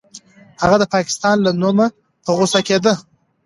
هغه د پاکستان له نومه په غوسه کېده.